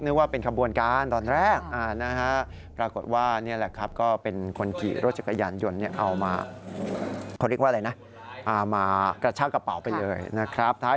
นึกว่าเป็นขบวนการตอนแรกนะฮะ